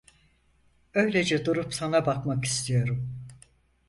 Öylece durup sana bakmak istiyorum!